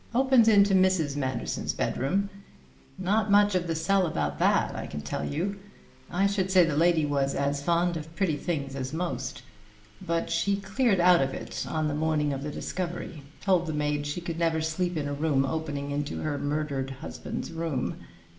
Opens into Mrs. Manderson's bedroom not much of the cell about that, I can tell you. I should say the lady was as fond of pretty things as most. But she cleared out of it on the morning of the discovery told the maid she could never sleep in a room opening into her murdered husband's room.